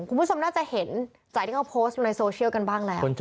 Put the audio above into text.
คุณผู้ชมน่าจะเห็นจากที่เขาโพสต์ลงในโซเชียลกันบ้างแล้ว